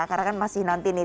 karena kan masih nanti nih